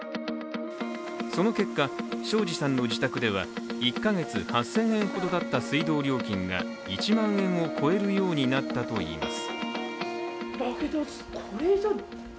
その結果、庄子さんの自宅では１か月８０００円ほどだった水道料金が１万円を超えるようになったといいます。